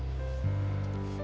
si apus kalau gak partner gue